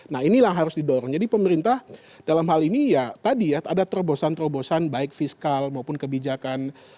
nah inilah yang harus didorong jadi pemerintah dalam hal ini ya tadi ya ada terobosan terobosan baik fiskal maupun kebijakan